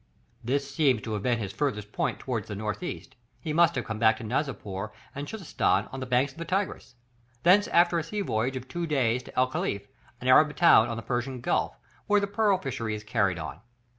This seems to have been his farthest point towards the north east; he must have come back to Nizapur and Chuzestan on the banks of the Tigris; thence after a sea voyage of two days to El Cachif, an Arabian town on the Persian Gulf, where the pearl fishery is carried on.